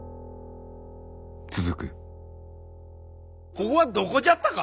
ここはどこじゃったか。